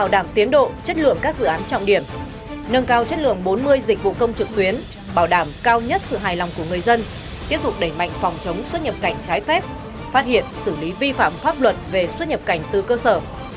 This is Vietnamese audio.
nâng cao chất lượng bốn mươi dịch vụ công trực tuyến bảo đảm cao nhất sự hài lòng của người dân tiếp tục đẩy mạnh phòng chống xuất nhập cảnh trái phép phát hiện xử lý vi phạm pháp luật về xuất nhập cảnh từ cơ sở